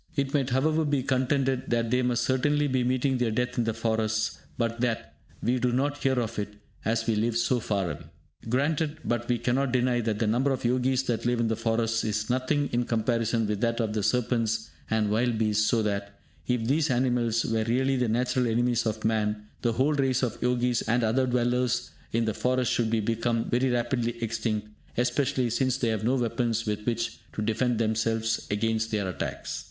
It might, however, be contended that they must certainly be meeting their death in the forests, but that we do not hear of it, as we live so far away. Granted; but we cannot deny that the number of Yogis that live in the forests is nothing in comparison with that of the serpents and wild beasts, so that, if these animals were really the natural enemies of man, the whole race of Yogis and other dwellers in the forests should become very rapidly extinct, especially since they have no weapons with which to defend themselves against their attacks.